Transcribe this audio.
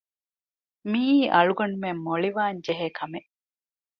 މިއީ އަޅުގަނޑުމެން މޮޅިވާންޖެހޭ ކަމެއް